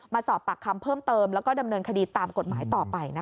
สอบปากคำเพิ่มเติมแล้วก็ดำเนินคดีตามกฎหมายต่อไปนะคะ